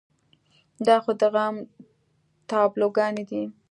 دا خو د غم تابلوګانې دي.